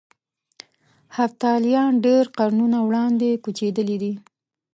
هفتالیان ډېر قرنونه وړاندې کوچېدلي دي.